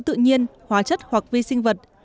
có tổ tự nhiên hóa chất hoặc vi sinh vật